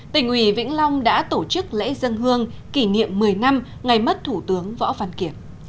tỉnh ủy vĩnh long đã tổ chức lễ dân hương kỷ niệm một mươi năm ngày mất thủ tướng võ văn kiệt